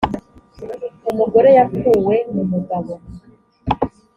umugore yakuwe mu mugabo